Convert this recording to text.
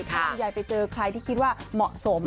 ถ้าลำไยไปเจอใครที่คิดว่าเหมาะสม